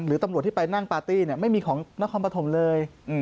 หรือตำรวจที่ไปนั่งปาร์ตี้ไม่มีของนครปฐมเลย